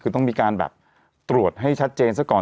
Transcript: ต้องมีการตรวจให้ชัดเจนซะก่อน